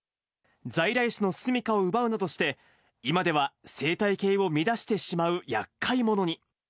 在来種の住みかを奪うなどして、今では生態系を乱してしまうやっかい者に。